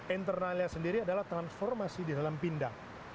internalnya sendiri adalah transformasi di dalam pindang